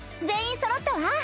全員そろったわ。